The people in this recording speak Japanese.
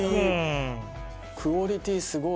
「クオリティーすごい！」